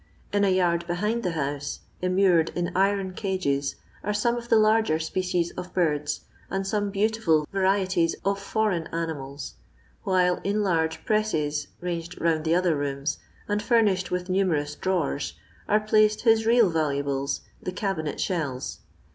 In a yard behind the house, immured in iron cages, are some of the larger species of birds, and some beautiful varieties of foreign animals — while in large presses ranged round the other rooms, and furnished with nu merous drawers, are placed his real valoi^lea, the cabinet shells.